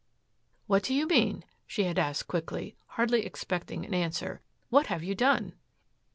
"What do you mean?" she had asked quickly, hardly expecting an answer. "What have you done?"